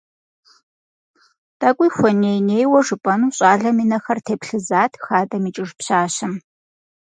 ТӀэкӀуи хуэней-нейуэ жыпӀэну щӏалэм и нэхэр теплъызат хадэм икӀыж пщащэм.